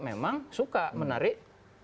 memang suka menarik